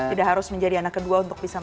tidak harus menjadi anak kedua untuk bisa